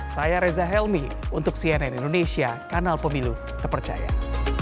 saya reza helmi untuk cnn indonesia kanal pemilu terpercaya